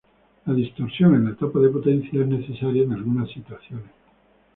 La distorsión en la etapa de potencia es necesaria en algunas situaciones.